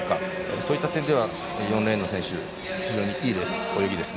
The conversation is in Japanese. そういった点では４レーンの選手非常にいい泳ぎです。